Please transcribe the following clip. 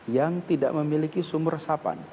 yang tidak memiliki sumber resapan